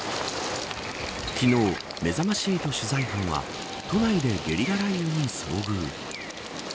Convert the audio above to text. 昨日、めざまし８取材班は都内でゲリラ雷雨に遭遇。